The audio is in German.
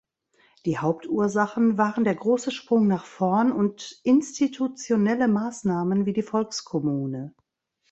Die Hauptursachen waren der Große Sprung nach vorn und institutionelle Maßnahmen wie die Volkskommune.